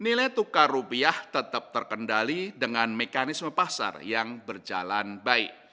nilai tukar rupiah tetap terkendali dengan mekanisme pasar yang berjalan baik